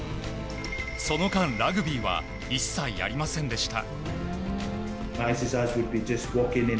その間、ラグビーは一切やりませんでした。